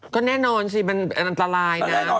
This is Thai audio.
ก็แน่นอนสิมันอันตรายนะ